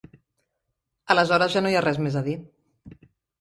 Aleshores ja no hi ha res més a dir.